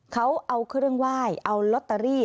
เขาเอาเครื่องไหว้เอาลอตเตอรี่